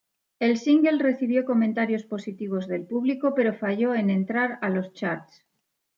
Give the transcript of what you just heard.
El single recibió comentarios positivos del público pero falló en entrar a los charts.